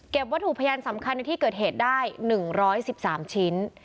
วัตถุพยานสำคัญในที่เกิดเหตุได้๑๑๓ชิ้น